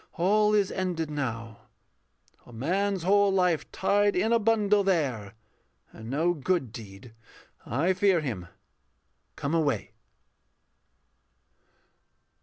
All is ended now; A man's whole life tied in a bundle there, And no good deed. I fear him. Come away.